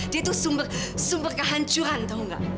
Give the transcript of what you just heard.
dia tuh sumber sumber kehancuran tau gak